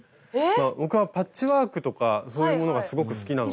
僕はパッチワークとかそういうものがすごく好きなので。